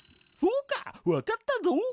そうかわかったぞ！